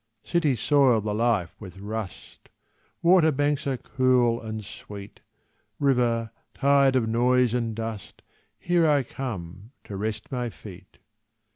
Cities soil the life with rust; Water banks are cool and sweet; River, tired of noise and dust, Here I come to rest my feet.